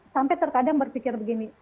sampai terkadang berpikir begini